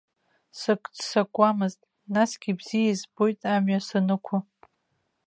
Сыццакуамызт, насгьы бзиа избоит амҩа санықәу.